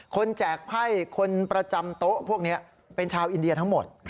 แจกไพ่คนประจำโต๊ะพวกนี้เป็นชาวอินเดียทั้งหมด